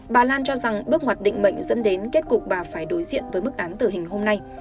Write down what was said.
bà lan cho rằng bước ngoặt định mệnh dẫn đến kết cục bà phải đối diện với bức án tử hình hôm nay